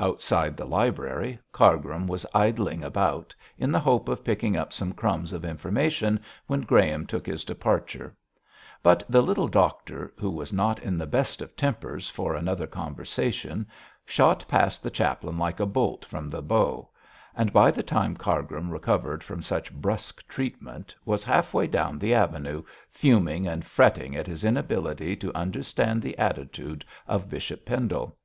Outside the library Cargrim was idling about, in the hope of picking up some crumbs of information, when Graham took his departure. But the little doctor, who was not in the best of tempers for another conversation, shot past the chaplain like a bolt from the bow; and by the time Cargrim recovered from such brusque treatment was half way down the avenue, fuming and fretting at his inability to understand the attitude of Bishop Pendle.